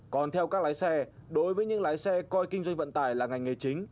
còn theo các lái xe đối với những lái xe coi kinh doanh vận tải là ngành nghề chính